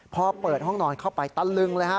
พอเปิดห้องนอนเข้าไปตะลึงเลยฮะ